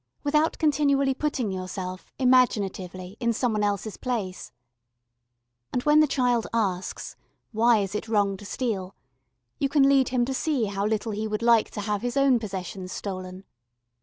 without continually putting yourself, imaginatively, in some one else's place. And when the child asks, "Why is it wrong to steal?" you can lead him to see how little he would like to have his own possessions stolen.